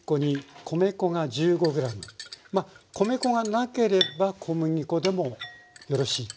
まあ米粉がなければ小麦粉でもよろしいっていう。